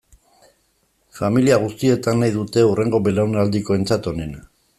Familia guztietan nahi dute hurrengo belaunaldikoentzat onena.